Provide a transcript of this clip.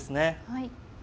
はい。